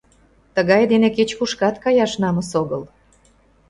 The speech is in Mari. Тыгай дене кеч-кушкат каяш намыс огыл...